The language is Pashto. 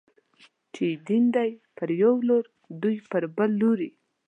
چې يې دين دی، پر يو لور دوی پر بل لوري